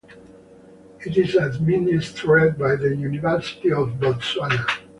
It is administered by the University of Botswana.